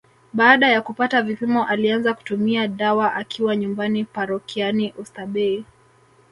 Baada ya kupata vipimo alianza kutumia dawa akiwa nyumbani parokiani ostabei